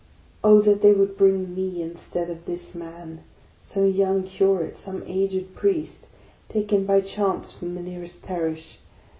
Oh that they would bring me, instead of this man, some young curate, some aged Priest, taken by chance from the nearest parish!